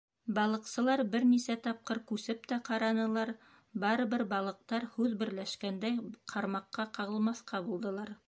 Балыҡсылар бер нисә тапҡыр күсеп тә ҡаранылар, барыбер балыҡтар, һүҙ берләшкәндәй, ҡармаҡҡа ҡағылмаҫҡа булдылар.